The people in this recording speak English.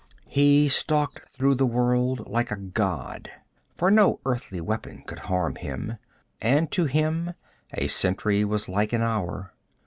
He stalked through the world like a god, for no earthly weapon could harm him, and to him a century was like an hour.